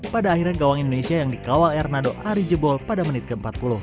pada akhirnya gawang indonesia yang dikawal ernado arijebol pada menit ke empat puluh